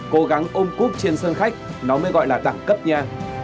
cố gắng ôm cúp trên sân khách nó mới gọi là tặng cấp nha